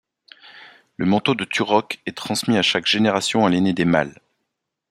Le manteau de Turok est transmis à chaque génération à l'aîné des mâles.